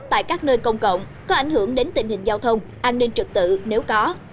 tại các nơi công cộng có ảnh hưởng đến tình hình giao thông an ninh trực tự nếu có